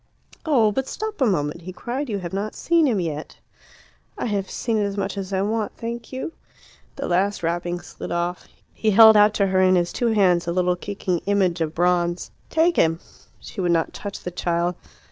"Oh, but stop a moment!" he cried. "You have not seen him yet." "I have seen as much as I want, thank you." The last wrapping slid off. He held out to her in his two hands a little kicking image of bronze. "Take him!" She would not touch the child.